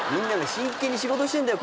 真剣に仕事してんだよ